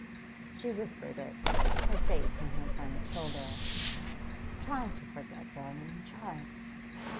She whispered it, her face on her friend's shoulder. 'Try to forget, darling; try!